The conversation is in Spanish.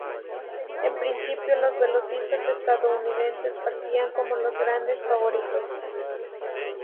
En principio los velocistas estadounidenses partían como los grandes favoritos.